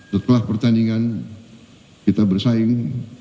setelah pertandingan kita bersaing